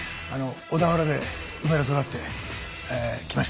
小田原で生まれ育ってきました。